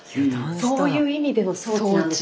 そういう意味での装置なんですね。